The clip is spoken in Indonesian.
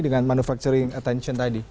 dengan manufacturing attention tadi